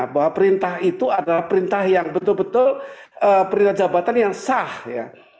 bahwa perintah itu adalah perintah yang betul betul perintah jabatan yang sah ya